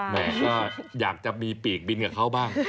แม่ก็อยากจะมีปีกบินกับเขาบ้าง